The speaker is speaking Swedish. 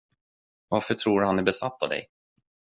Varför tror du att han är besatt av dig?